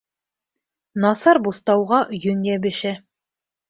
Насар буҫтауға йөн йәбешә.